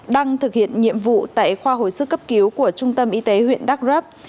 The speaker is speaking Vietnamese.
đang thực hiện nhiệm vụ tại khoa hội sức cấp cứu của trung tâm y tế huyện đắk rớp